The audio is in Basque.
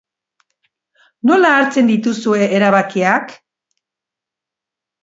Nola hartzen dituzue erabakiak?